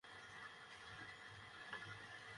ওহ, আমি মনোযোগ দিচ্ছি।